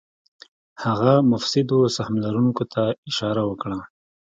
هغه مفسدو سهم لرونکو ته اشاره وکړه.